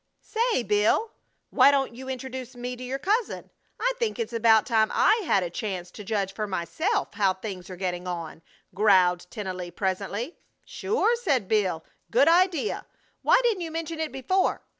"Say, Bill, why don't you introduce me to your cousin? I think it's about time I had a chance to judge for myself how things are getting on," growled Tennelly, presently. "Sure!" said Bill. "Good idea! Why didn't you mention it before?